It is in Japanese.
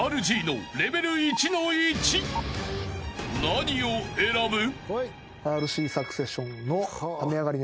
［何を選ぶ？］